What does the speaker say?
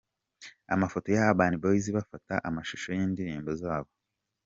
Amafoto ya Urban Boys bafata amashusho y'indirimbo zabo:.